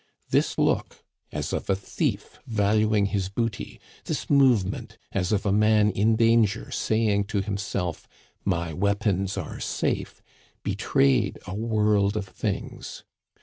This look, as of a thief valuing his booty, this movement, as of a man in danger saying to himself, 'My weapons are safe,' betrayed a world of things.